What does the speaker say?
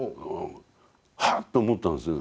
ハッと思ったんですよ